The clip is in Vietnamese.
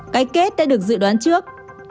cái kết đã được dự đoán trước